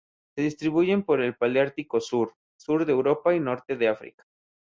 Se distribuyen por el paleártico sur: sur de Europa y norte de África.